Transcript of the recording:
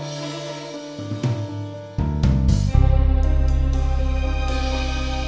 anda tidak mungkin ambil uangnever imb guaranteed